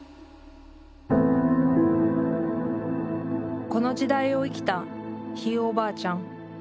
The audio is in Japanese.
この時代を生きたひいおばあちゃん。